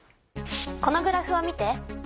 このグラフを見て。